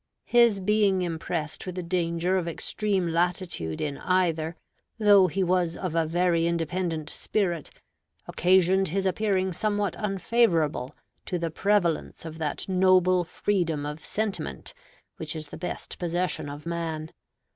His being impressed with the danger of extreme latitude in either, though he was of a very independent spirit, occasioned his appearing somewhat unfavorable to the prevalence of that noble freedom of sentiment which is the best possession of man.